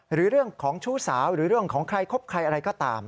หรือเรื่องของชู้สาวหรือเรื่องของใครคบใครอะไรก็ตาม